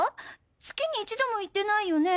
月に一度も行ってないよね？